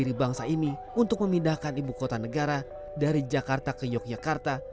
diri bangsa ini untuk memindahkan ibu kota negara dari jakarta ke yogyakarta